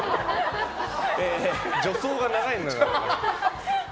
助走が長いのよ。